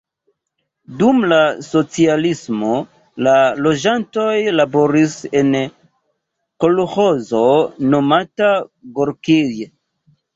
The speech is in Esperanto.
Dum la socialismo la loĝantoj laboris en kolĥozo nomata Gorkij.